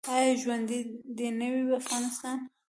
آیا ژوندی دې نه وي افغانستان؟